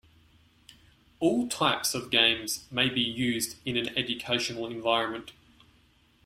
All types of games may be used in an educational environment.